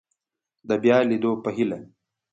د بیا لیدو په هیله